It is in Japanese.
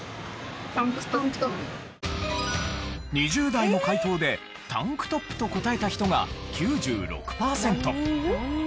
２０代の回答でタンクトップと答えた人が９６パーセント。